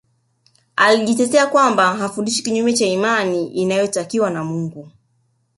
Alijitetea kwamba hafundishi kinyume cha imani inayotakiwa na Mungu